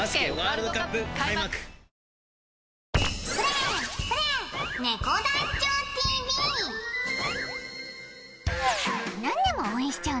ニトリ何でも応援しちゃう